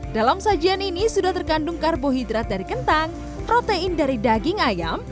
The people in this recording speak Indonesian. dalam sajian ini sudah terkandung karbohidrat dari kentang protein dari daging ayam